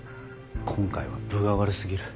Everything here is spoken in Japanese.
今回は分が悪過ぎる。